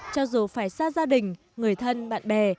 cho dù phải xa gia đình người thân bạn bè